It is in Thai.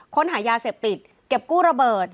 ค้นหายาเสพติดเก็บกู้ระเบิด